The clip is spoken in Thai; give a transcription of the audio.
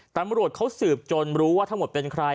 ตำรวจเขาสืบจนรู้ว่าทั้งหมดเป็นใคร